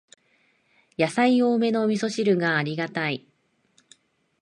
やさい多めのみそ汁がありがたい